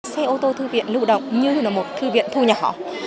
xe ô tô thư viện lưu động như là một thư viện thu nhỏ